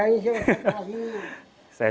coba sekali lagi